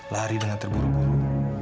lari dengan terburu buru